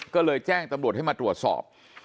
ก็เลยแจ้งตำรวจให้มาตรวจสอบ